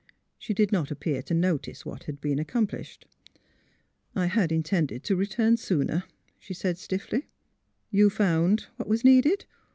She did not appear to notice what had been accomplished. " I had intended to return sooner," she said stiffly. '^ You — found what was needed?